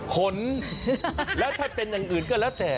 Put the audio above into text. ขนแล้วถ้าเป็นอย่างอื่นก็แล้วแต่